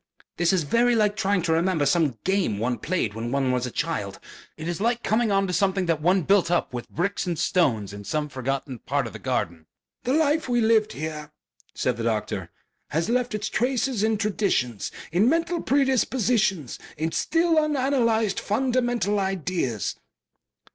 "This is very like trying to remember some game one played when one was a child. It is like coming on something that one built up with bricks and stones in some forgotten part of the garden...." "The life we lived here," said the doctor, "has left its traces in traditions, in mental predispositions, in still unanalyzed fundamental ideas."